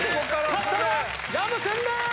勝ったのは薮君でーす！